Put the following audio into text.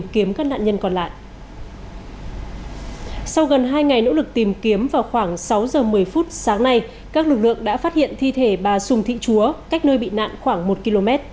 khoảng sáu giờ một mươi phút sáng nay các lực lượng đã phát hiện thi thể bà sùng thị chúa cách nơi bị nạn khoảng một km